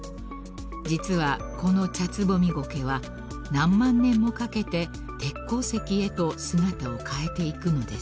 ［実はこのチャツボミゴケは何万年もかけて鉄鉱石へと姿を変えていくのです］